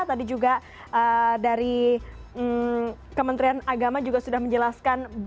tadi juga dari kementerian agama juga sudah menjelaskan